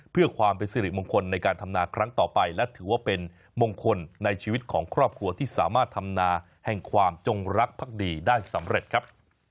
เพื่อความเป็นสิริมงคลในการทำนาครั้งต่อไปและถือว่าเป็นมงคลในชีวิตของครอบครัวที่สามารถทำนาแห่งความจงรักภักดีได้สำเร็จครับ